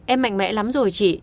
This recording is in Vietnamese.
em mạnh mẽ lắm rồi chị